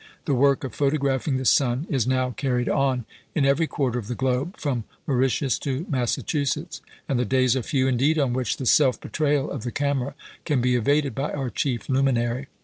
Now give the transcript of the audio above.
The work of photographing the sun is now carried on in every quarter of the globe, from Mauritius to Massachusetts, and the days are few indeed on which the self betrayal of the camera can be evaded by our chief luminary.